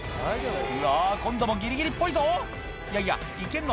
うわ今度もギリギリっぽいぞいやいやいけんの？